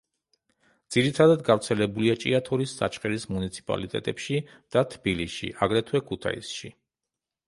ძირითადად გავრცელებულია ჭიათურის, საჩხერის მუნიციპალიტეტებში და თბილისში, აგრეთვე ქუთაისში.